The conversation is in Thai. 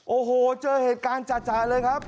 โอ้โหเจอเหตุการณ์จ่ะเลยครับ